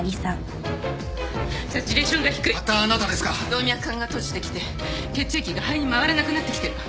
動脈管が閉じてきて血液が肺に回らなくなってきてる。